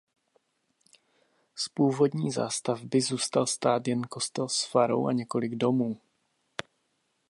Z původní zástavby zůstal stát jen kostel s farou a několik domů.